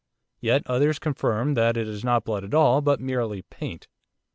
Yet others affirm that it is not blood at all, but merely paint.